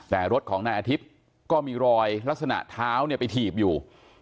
แต่รถของนายอาทิตย์ก็มีรอยลักษณะเท้าเนี่ยไปถีบอยู่